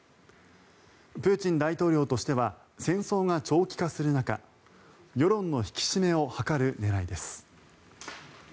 プーチン大統領としては戦争が長期化する中世論の引き締めを図る狙いです。